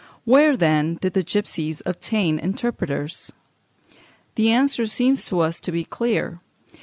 Where, then, did the gipsies obtain interpreters? The answer seems to us to be clear.